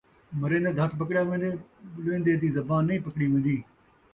مرین٘دے دا ہتھ پکڑیا وین٘دے ، ٻلین٘دے دی زبان نئیں پکڑی وین٘دی